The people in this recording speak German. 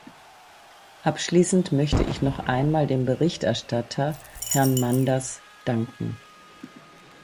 Abschließend möchte ich noch einmal dem Berichterstatter, Herrn Manders, danken.